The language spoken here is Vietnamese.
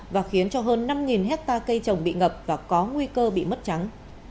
và khiến cho hơn năm hectare cây trồng bị ngập và có nguy cơ bị mất trắng